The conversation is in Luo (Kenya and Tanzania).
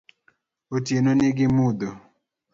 Otieno ni gi mudho